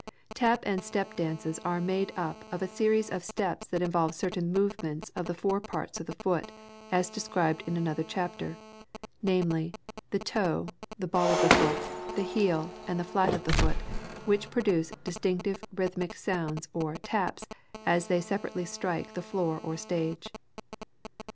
Tap and step dances are made up of a series of steps that involve certain movements of the four parts of the foot as described in another chapter; namely, the toe, the ball of the foot, the heel, and the flat of the foot, which produce distinct rhythmic sounds or "taps" as they separately strike the floor or stage.